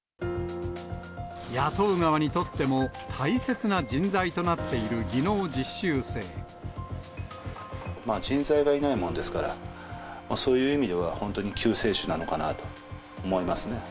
雇う側にとっても大切な人材人材がいないもんですから、そういう意味では本当に救世主なのかなと思いますね。